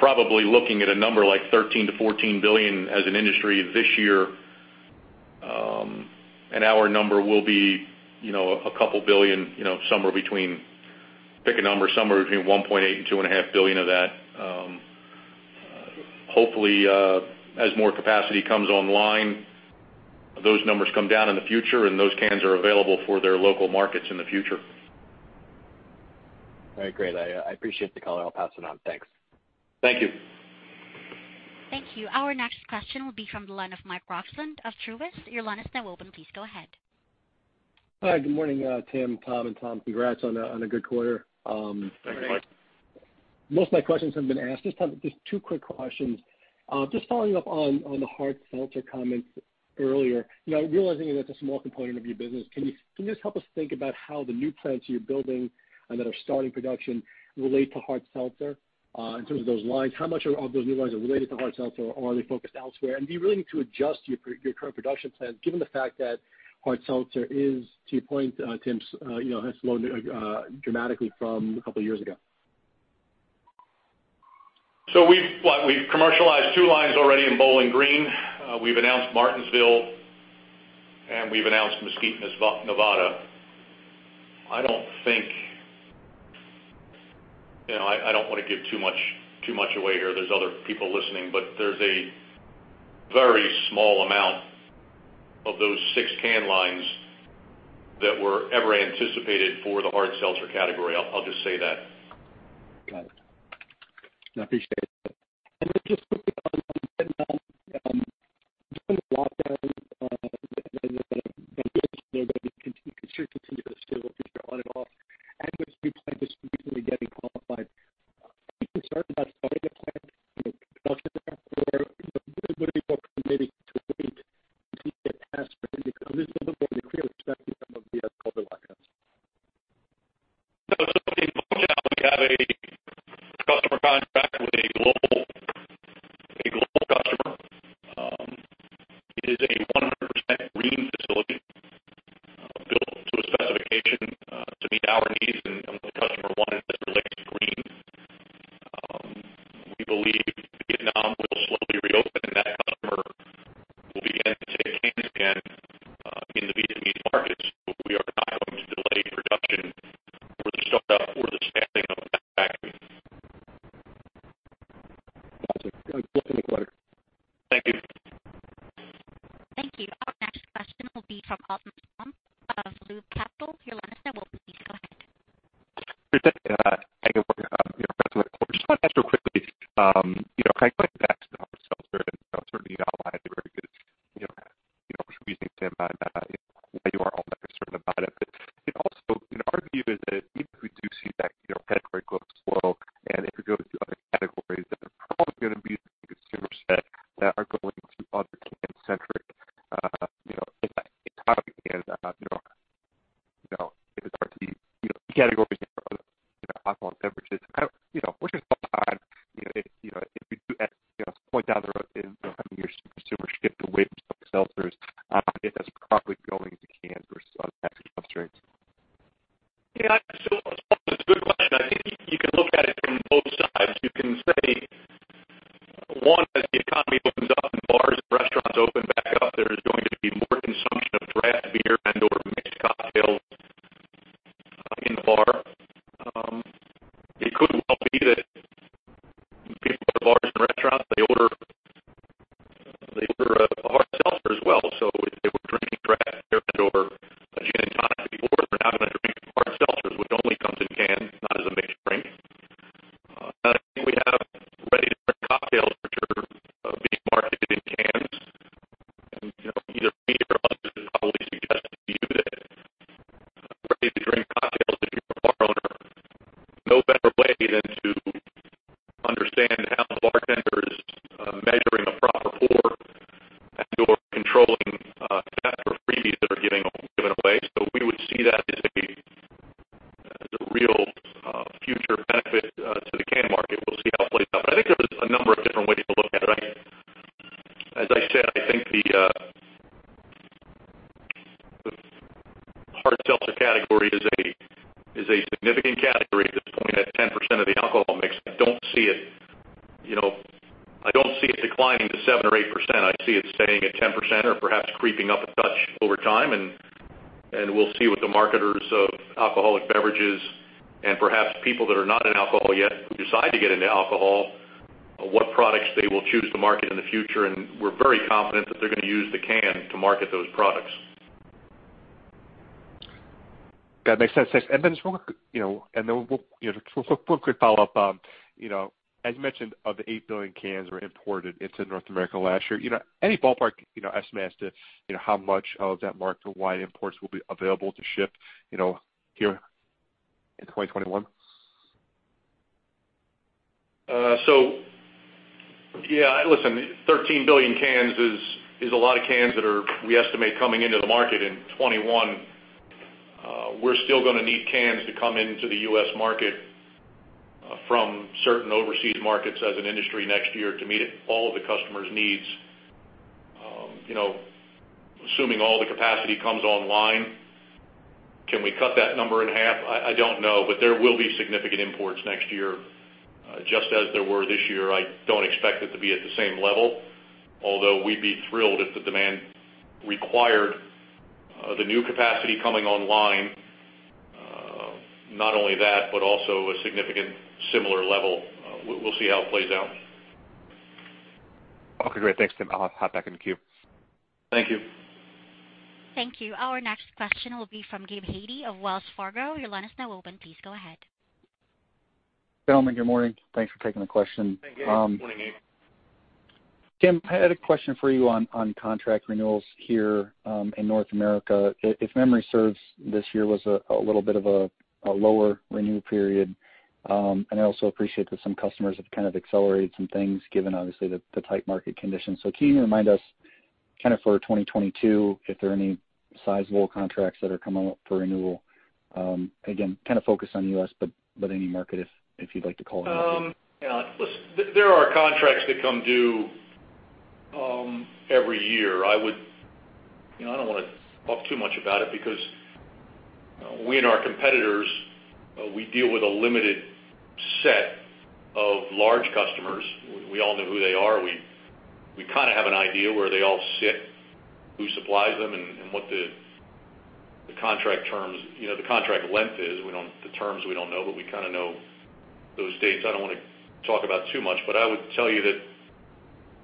probably looking at a number like $13 billion-$14 billion as an industry this year. And our number will be, you know, a couple billion, you know, somewhere between, pick a number, somewhere between $1.8 billion-$2.5 billion of that. Hopefully, as more capacity comes online, those numbers come down in the future and those cans are available for their local markets in the future. All right, great. I appreciate the call. I'll pass it on. Thanks. Thank you. Thank you. Our next question will be from the line of Mike Roxland of Truist. Your line is now open. Please go ahead. Hi, good morning, Tim, Tom, and Tom. Congrats on a good quarter. Thanks, Mike. Most of my questions have been asked. Just two quick questions. Just following up on the hard seltzer comments earlier. You know, realizing that that's a small component of your business, can you just help us think about how the new plants you're building and that are starting production relate to hard seltzer in terms of those lines? How much of those new lines are related to hard seltzer or are they focused elsewhere? And do you really need to adjust your current production plans given the fact that hard seltzer is, to your point, Tim, you know, has slowed dramatically from a couple years ago? Yeah. Listen, 13 billion cans is a lot of cans that are, we estimate, coming into the market in 2021. We're still gonna need cans to come into the U.S. market from certain overseas markets as an industry next year to meet all of the customers' needs. You know, assuming all the capacity comes online, can we cut that number in half? I don't know. There will be significant imports next year, just as there were this year. I don't expect it to be at the same level, although we'd be thrilled if the demand required the new capacity coming online, not only that, but also a significant similar level. We'll see how it plays out. Okay, great. Thanks, Tim. I'll hop back in the queue. Thank you. Thank you. Our next question will be from Gabe Hajde of Wells Fargo. Your line is now open. Please go ahead. Gentlemen, good morning. Thanks for taking the question. Hey, Gabe. Good morning, Gabe. Tim, I had a question for you on contract renewals here in North America. If memory serves, this year was a little bit of a lower renew period. I also appreciate that some customers have kind of accelerated some things given obviously the tight market conditions. Can you remind us kind of for 2022 if there are any sizable contracts that are coming up for renewal? Again, kind of focused on U.S., but any market if you'd like to call it out. Yeah, listen, there are contracts that come due every year. I would you know, I don't wanna talk too much about it because we and our competitors, we deal with a limited set of large customers. We all know who they are. We kind of have an idea where they all sit, who supplies them, and what the contract terms, you know, the contract length is. We don't, the terms we don't know, but we kinda know those dates. I don't wanna talk about too much, but I would tell you that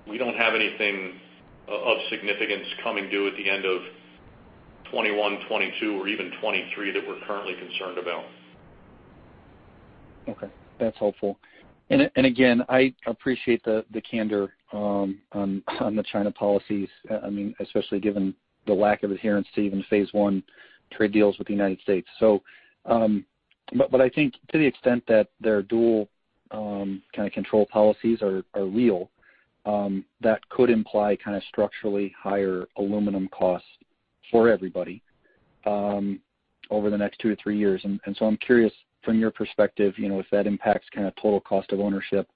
we don't have anything of significance coming due at the end of 2021, 2022, or even 2023 that we're currently concerned about. Okay, that's helpful. Again, I appreciate the candor on the China policies, I mean, especially given the lack of adherence to even phase one trade deals with the United States. But I think to the extent that their dual kind of control policies are real, that could imply kind of structurally higher aluminum costs for everybody over the next two-three years. So I'm curious from your perspective, you know, if that impacts kind of total cost of ownership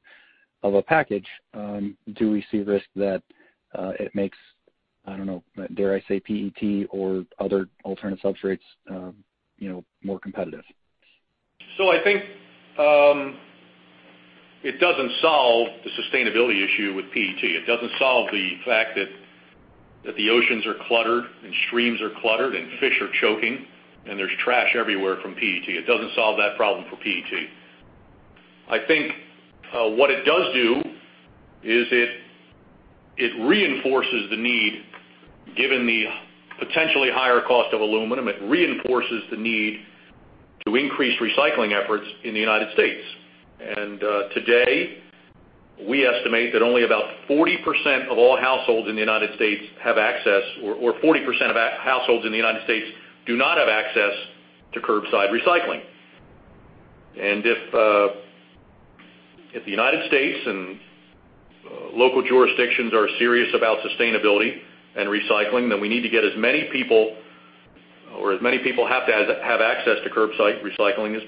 of a package, do we see risk that it makes, I don't know, dare I say, PET or other alternate substrates, you know, more competitive? I think it doesn't solve the sustainability issue with PET. It doesn't solve the fact that the oceans are cluttered and streams are cluttered and fish are choking, and there's trash everywhere from PET. It doesn't solve that problem for PET. I think what it does do is it reinforces the need, given the potentially higher cost of aluminum, to increase recycling efforts in the United States. Today, we estimate that only about 40% of all households in the United States do not have access to curbside recycling. If the United States and local jurisdictions are serious about sustainability and recycling, then we need to get as many people as possible to have access to curbside recycling.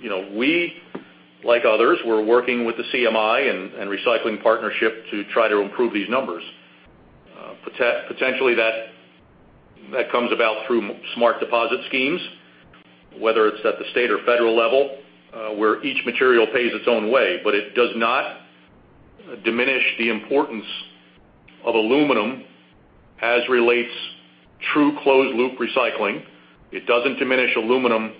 You know, we, like others, we're working with the CMI and Recycling Partnership to try to improve these numbers. Potentially that comes about through smart deposit schemes, whether it's at the state or federal level, where each material pays its own way. But it does not diminish the importance of aluminum as it relates to true closed loop recycling. It doesn't diminish aluminum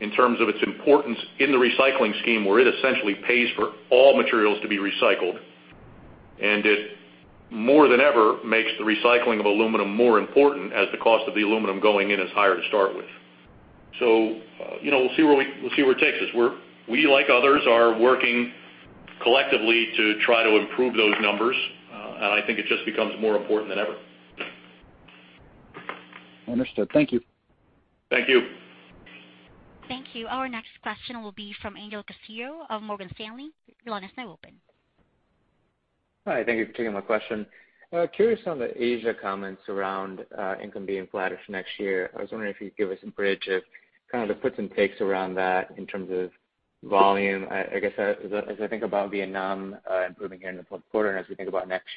in terms of its importance in the recycling scheme, where it essentially pays for all materials to be recycled. It more than ever makes the recycling of aluminum more important as the cost of the aluminum going in is higher to start with. You know, we'll see where it takes us. We, like others, are working collectively to try to improve those numbers, and I think it just becomes more important than ever. Understood. Thank you. Thank you. Thank you. Our next question will be from Angel Castillo of Morgan Stanley. Your line is now open. Hi, thank you for taking my question. Curious on the Asia comments around income being flattish next year. I was wondering if you could give us a bridge of kind of the puts and takes around that in terms of volume. I guess, as I think about Vietnam improving here in the fourth quarter, and as we think about next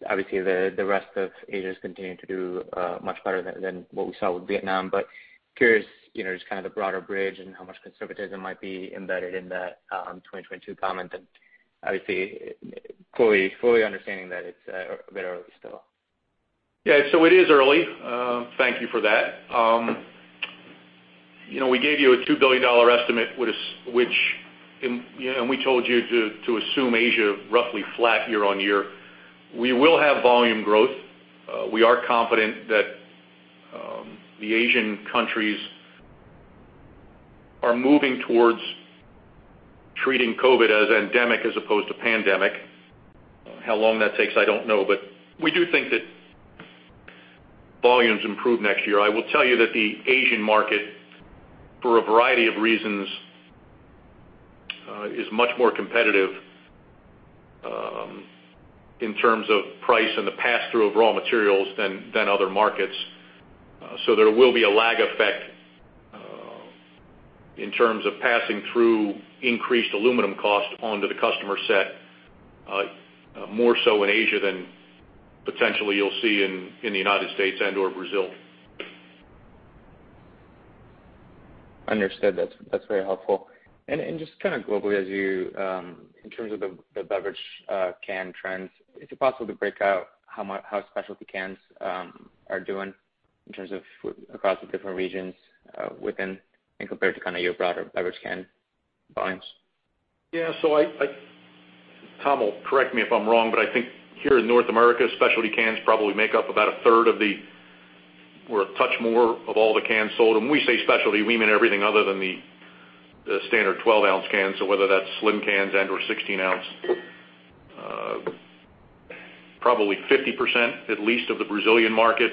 year, obviously the rest of Asia is continuing to do much better than what we saw with Vietnam. Curious, you know, just kind of the broader bridge and how much conservatism might be embedded in that 2022 comment. Obviously, fully understanding that it's a bit early still. Yeah, it is early. Thank you for that. You know, we gave you a $2 billion estimate, and we told you to assume Asia roughly flat year-over-year. We will have volume growth. We are confident that the Asian countries are moving towards treating COVID as endemic as opposed to pandemic. How long that takes, I don't know. We do think that volumes improve next year. I will tell you that the Asian market, for a variety of reasons, is much more competitive in terms of price and the pass-through of raw materials than other markets. There will be a lag effect in terms of passing through increased aluminum cost onto the customer set, more so in Asia than potentially you'll see in the United States and or Brazil. Understood. That's very helpful. Just kinda globally as you, in terms of the beverage can trends, is it possible to break out how specialty cans are doing in terms of across the different regions, within and compared to kinda your broader beverage can volumes? Yeah. I, Tim will correct me if I'm wrong, but I think here in North America, specialty cans probably make up about a third or a touch more of all the cans sold. When we say specialty, we mean everything other than the standard 12-ounce cans. Whether that's slim cans and/or 16-ounce, probably 50% at least of the Brazilian market.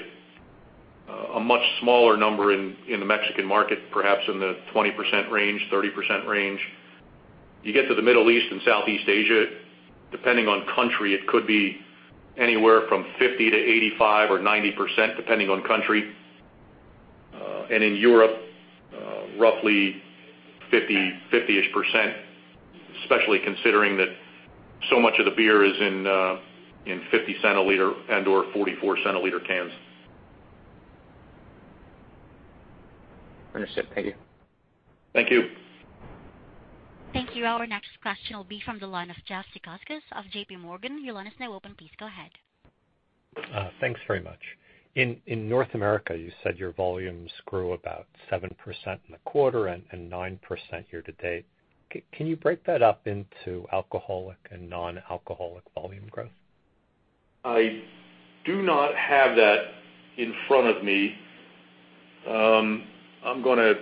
A much smaller number in the Mexican market, perhaps in the 20% range, 30% range. You get to the Middle East and Southeast Asia, depending on country, it could be anywhere from 50% to 85% or 90%, depending on country. In Europe, roughly 50-ish%, especially considering that so much of the beer is in 50 cL and/or 44 cL cans. Understood. Thank you. Thank you. Thank you. Our next question will be from the line of Jeffrey Zekauskas of J.P. Morgan. Your line is now open. Please go ahead. Thanks very much. In North America, you said your volumes grew about 7% in the quarter and 9% year to date. Can you break that up into alcoholic and non-alcoholic volume growth? I do not have that in front of me. You're gonna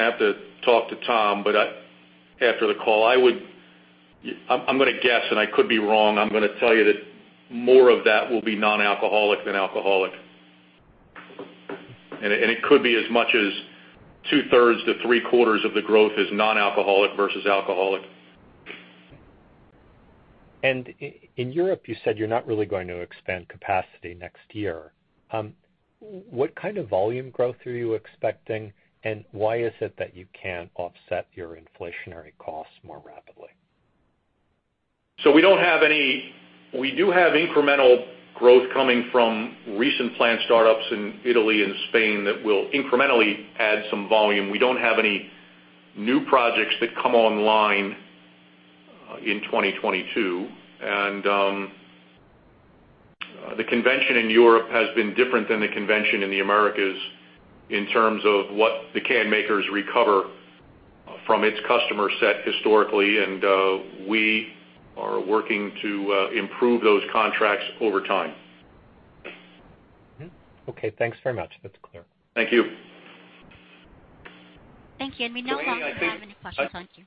have to talk to Tom after the call. I'm gonna guess, and I could be wrong. I'm gonna tell you that more of that will be non-alcoholic than alcoholic. It could be as much as two-thirds to three-quarters of the growth is non-alcoholic versus alcoholic. In Europe, you said you're not really going to expand capacity next year. What kind of volume growth are you expecting, and why is it that you can't offset your inflationary costs more rapidly? We do have incremental growth coming from recent plant startups in Italy and Spain that will incrementally add some volume. We don't have any new projects that come online in 2022. The convention in Europe has been different than the convention in the Americas in terms of what the can makers recover from its customer set historically, and we are working to improve those contracts over time. Mm-hmm. Okay, thanks very much. That's clear. Thank you. Thank you. We no longer have any questions in queue.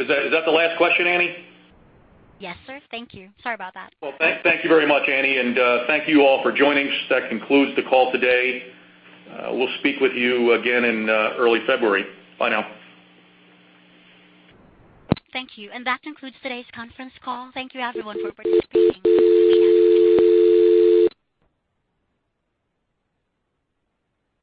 Is that the last question, Annie? Yes, sir. Thank you. Sorry about that. Well, thank you very much, Annie. Thank you all for joining. That concludes the call today. We'll speak with you again in early February. Bye now. Thank you. That concludes today's conference call. Thank you everyone for participating.